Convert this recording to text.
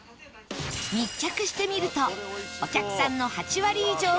密着してみるとお客さんの８割以上が常連客